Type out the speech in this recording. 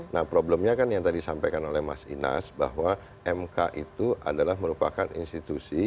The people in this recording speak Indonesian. nah problemnya kan yang tadi disampaikan oleh mas inas bahwa mk itu adalah merupakan institusi